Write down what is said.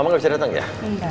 mama gak bisa datang ya